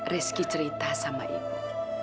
rizky cerita sama ibu